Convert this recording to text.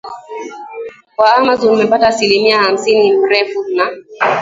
wa Amazon Umepata asilimia hamsini mrefu na